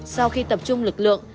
sau khi tập trung lực lượng